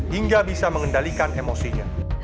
hingga bisa mengendalikan emosinya